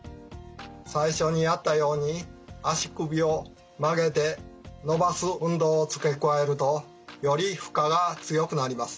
最初にあったように足首を曲げて伸ばす運動を付け加えるとより負荷が強くなります。